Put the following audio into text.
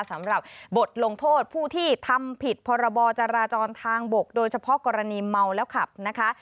สำหรับบทลงโทษผู้ที่ทำผิดพรบจราจรทางบกโดยเฉพาะกรณีเมาแล้วขับนะคะ